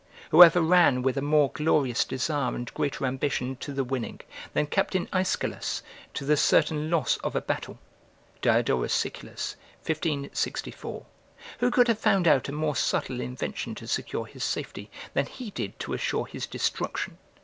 Who ever ran with a more glorious desire and greater ambition, to the winning, than Captain Iscolas to the certain loss of a battle? [Diodorus Siculus, xv. 64.] Who could have found out a more subtle invention to secure his safety, than he did to assure his destruction?